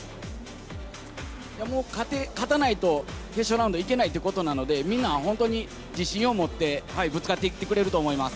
もう勝たないと、決勝ラウンド行けないっていうことなので、みんな、本当に自信を持って、ぶつかっていってくれると思います。